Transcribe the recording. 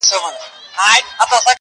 هسي رنګه چي له ژونده یې بېزار کړم!